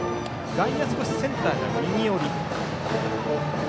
外野は少しセンターが右寄り。